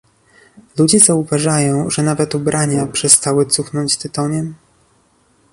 Ludzie zauważają, że nawet ubrania przestały cuchnąć tytoniem